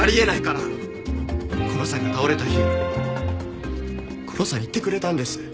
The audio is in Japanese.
ゴロさんが倒れた日ゴロさん言ってくれたんです。